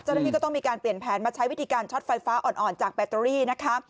เจ้าหน้าที่ก็ต้องมีการเปลี่ยนแผนมาใช้วิธีการช็อตไฟฟ้าอ่อนจากแบตเตอรี่นะคะ